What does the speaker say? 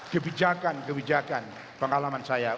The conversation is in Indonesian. kebijakan kebijakan pengalaman saya